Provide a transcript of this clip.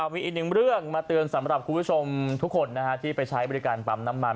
มีอีกหนึ่งเรื่องมาเตือนสำหรับคุณผู้ชมทุกคนที่ไปใช้บริการปั๊มน้ำมัน